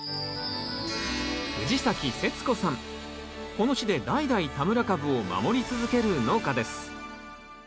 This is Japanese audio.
この地で代々田村かぶを守り続ける農家です